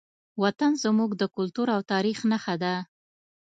وطن زموږ د کلتور او تاریخ نښه ده.